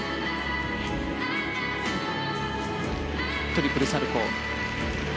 トリプルサルコウ。